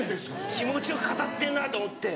気持ちよく語ってんなと思って。